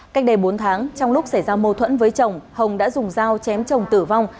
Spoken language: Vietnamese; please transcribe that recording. cách đây bốn tháng trong lúc xảy ra mâu thuẫn với chồng hồng đã dùng dao chém chồng tử vong